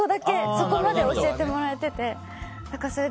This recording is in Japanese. そこまで教えてもらえてて。